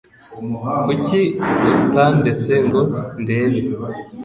Kuki utandetse ngo ndebe?